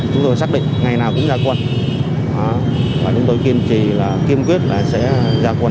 chúng tôi xác định ngày nào cũng ra quân và chúng tôi kiên trì kiên quyết là sẽ ra quân